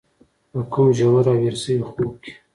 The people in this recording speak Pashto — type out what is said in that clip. په کوم ژور او هېر شوي خوب کې.